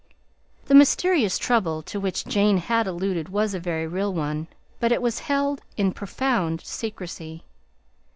The mysterious trouble to which Jane had alluded was a very real one, but it was held in profound secrecy.